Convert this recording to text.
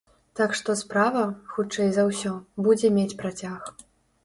Так што справа, хутчэй за ўсё, будзе мець працяг.